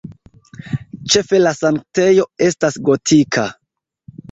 Ĉefe la sanktejo estas gotika.